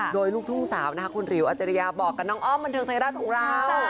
โดยลูกทุ่งสาวนะคะคุณหลิวอาจารยาบอกกับน้องอ้อมบันเทิงไทยรัฐของเรา